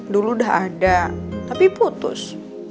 dulu udah ada tapi putus